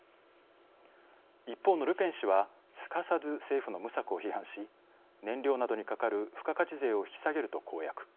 一方のルペン氏はすかさず政府の無策を批判し燃料などにかかる付加価値税を引き下げると公約。